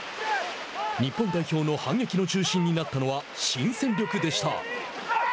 日本代表の反撃の中心になったのは新戦力でした。